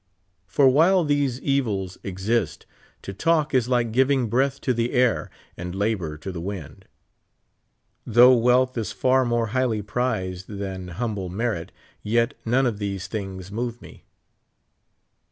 For while these evils exist, to talk is like giving breath to the air and labor to the wind, Though wealth is far more highl}' prized than humble merit, yet none of these things move me.